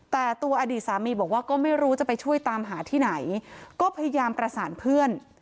แต่ตัวอดีตสามีบอกว่าก็ไม่รู้จะไปช่วยตามหาที่ไหนก็พยายามประสานเพื่อน